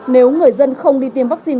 nếu người dân không đi tiêm vaccine